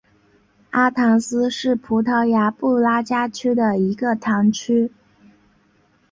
阿唐斯是葡萄牙布拉加区的一个堂区。